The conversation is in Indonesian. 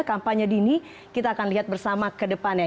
kampanye dini kita akan lihat bersama ke depannya